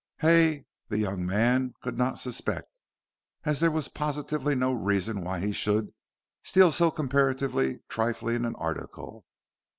Hay the young man could not suspect, as there was positively no reason why he should steal so comparatively trifling an article.